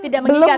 tidak mengikat ya